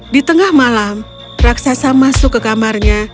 di tengah malam raksasa masuk ke kamarnya